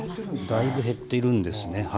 だいぶ減っているんですね。